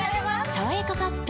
「さわやかパッド」